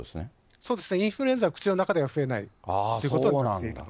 そうですね、インフルエンザは口の中では増えないということになっています。